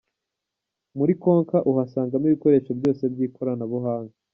Muri Konka uhasanga ibikoresho byose by'ikoranabuhanga.